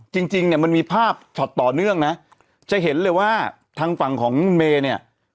จริงจริงเนี่ยมันมีภาพช็อตต่อเนื่องนะจะเห็นเลยว่าทางฝั่งของคุณเมย์เนี่ย